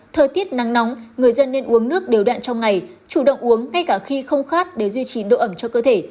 thời tiết nắng nóng người dân nên uống nước đều đạn trong ngày chủ động uống ngay cả khi không khát để duy trì độ ẩm cho cơ thể